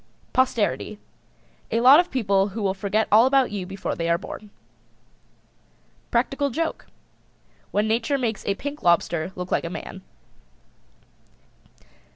POSTERITY. A lot of people who will forget all about you before they are born. PRACTICAL JOKE. When Nature makes a pink lobster look like a man.